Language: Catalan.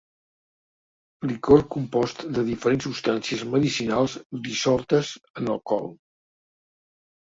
Licor compost de diferents substàncies medicinals dissoltes en alcohol.